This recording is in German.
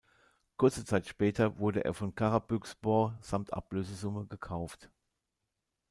Kurze Zeit später wurde er von Karabükspor samt Ablösesumme gekauft.